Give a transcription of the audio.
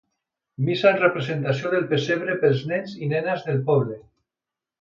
Missa amb representació del pessebre pels nens i nenes del poble.